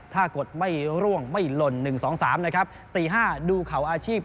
ถ้ากดไม่ร่วงไม่หล่น๑๒๓นะครับ๔๕ดูเขาอาชีพ